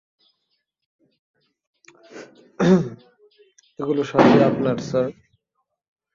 এগুলো সবই আপনার, স্যার।